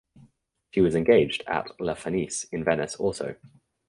She was engaged at La Fenice in Venice also.